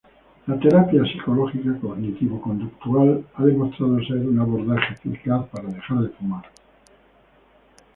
La terapia psicológica cognitivo-conductual ha demostrado ser un abordaje eficaz para dejar de fumar.